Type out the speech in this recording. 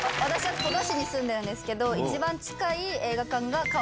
戸田市に住んでるんですけど。